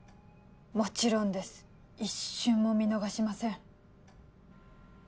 もちろんです一瞬も見逃しません。